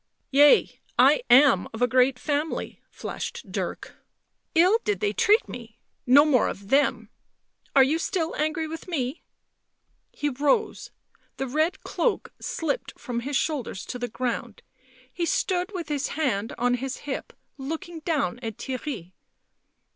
" Yea, I am of a great family," flashed Dirk. "Ill did they treat me. No more of them ... are you still angry with me?" He rose ; the red cloak slipped from his shoulders to the ground ; he stood with his hand on his hip, looking down at Theirry.